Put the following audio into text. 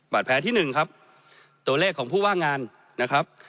บาดแพ้ที่๑ครับตัวเลขของผู้ว่างงานนะครับ